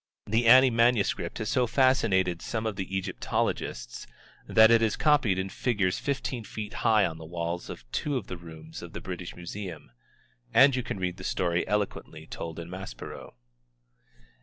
The Ani manuscript has so fascinated some of the Egyptologists that it is copied in figures fifteen feet high on the walls of two of the rooms of the British Museum. And you can read the story eloquently told in Maspero.